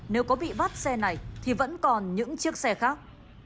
nếu có bị bắt xe này thì vẫn còn những chiếc xe khác